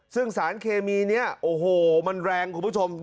ซึ่งสารเคมีนี้โอ้โหมันแรงคุณผู้ชม